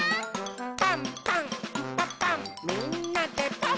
「パンパンんパパンみんなでパン！」